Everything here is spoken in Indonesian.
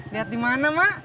liat dimana mak